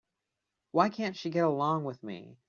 Why can't she get along with me?